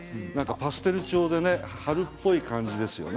パステル調で春っぽい感じですね。